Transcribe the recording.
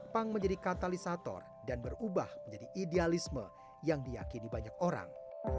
punk menjadi katalisator dan berubah menjadi idealisme yang diakini banyak orang